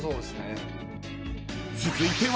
［続いては］